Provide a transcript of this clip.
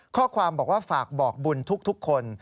ข้อความบอกว่าฝากบอกบุญทุกคน